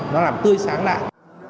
nó làm tươi sáng lại